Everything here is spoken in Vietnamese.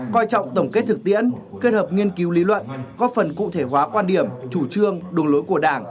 coi trọng tổng kết thực tiễn kết hợp nghiên cứu lý luận góp phần cụ thể hóa quan điểm chủ trương đường lối của đảng